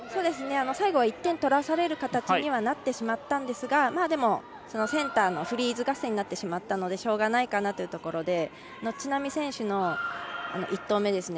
最後は１点取らされる形にはなってしまったんですがでも、センターのフリーズ合戦になってしまったのでしょうがないかなというところで知那美選手の１投目。